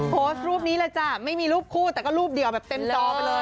โพสต์รูปนี้เลยจ้ะไม่มีรูปคู่แต่ก็รูปเดียวแบบเต็มจอไปเลย